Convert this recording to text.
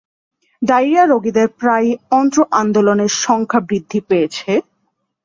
Diarrhoea রোগীদের প্রায়ই অন্ত্র আন্দোলনের সংখ্যা বৃদ্ধি পেয়েছে।